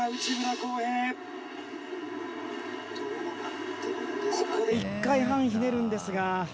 ここで１回半ひねるんですが。